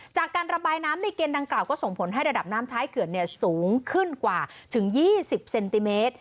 จากการระบายน้ำในเกณฑ์ดังกล่าวก็ส่งผลให้ระดับน้ำท้ายเขื่อนสูงขึ้นกว่าถึง๒๐เซนติเมตร